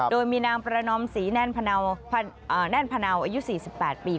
โดยมีนางประนอมศรีแน่นพะเนาอายุ๔๘ปี